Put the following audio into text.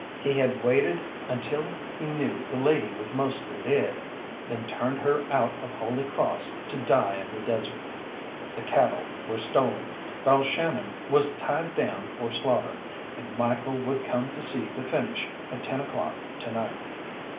He had waited until he knew the lady was mostly dead, then turned her out of Holy Cross to die in the desert. The cattle were stolen, Balshannon was tied down for slaughter, and Michael would come to see the finish at ten o'clock to night.